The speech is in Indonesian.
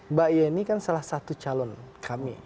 mbak yeni kan salah satu calon kami